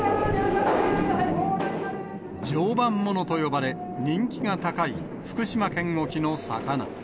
常磐ものと呼ばれ、人気が高い福島県沖の魚。